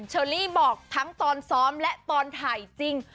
เชอรี่บอกทั้งตอนซ้อมและตอนถ่ายจริง